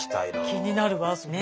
気になるわそれ。